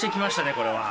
これは。